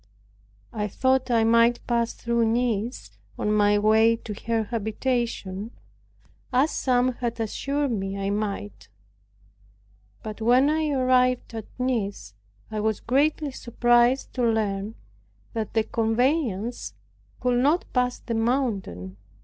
I thought I might pass through Nice on my way to her habitation, as some had assured me I might. But when I arrived at Nice, I was greatly surprised to learn that the conveyance could not pass the mountain.